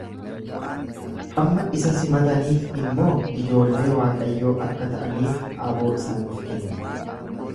Hamma isa simataniif immoo ijoollee Waaqayyoo akka ta'aniif aboo isaaniif kenne.